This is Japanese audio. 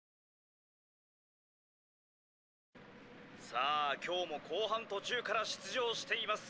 「さあ今日も後半途中から出場しています